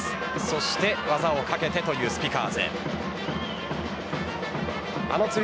そして技を掛けてというスピカーズです。